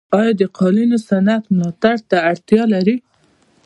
آیا د قالینو صنعت ملاتړ ته اړتیا لري؟